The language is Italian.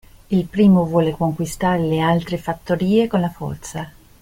Il primo vuole conquistare le altre fattorie con la forza.